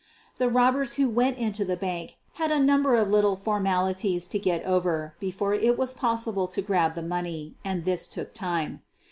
The robbers who went into the bank had a number of little formalities to get over before it was possible to grab the money, and this took time.